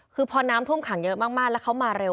คือพอน้ำท่วมขังเยอะมากแล้วเขามาเร็ว